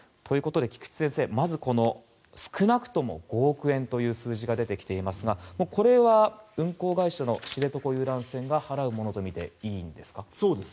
菊地先生、まず少なくとも５億円という数字が出てきていますがこれは運航会社の知床遊覧船が払うものとみていいんですか？